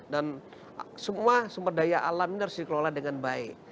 dan semua sumber daya alam ini harus dikelola dengan baik